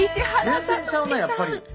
全然ちゃうなやっぱり。